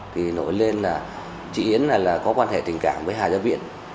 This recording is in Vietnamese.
thì nổi lên là chị yến là có quan hệ tình cảm với hà gia viễn